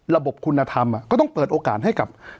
ละบบคุณธรรมก็ต้องเปิดโอกาสเท่าไหร่